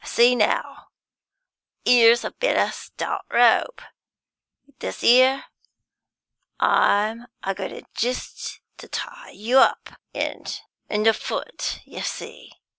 See now; here's a bit o' stout rope. With this 'ere, I'm a goin' jist to tie you up, 'and an' foot, you see.